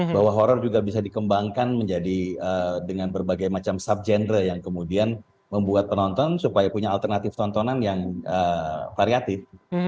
bahwa horror juga bisa dikembangkan menjadi dengan berbagai macam subgenre yang kemudian membuat penonton supaya punya alternatif tontonan yang variatif